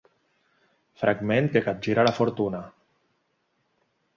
Fragment que capgira la fortuna.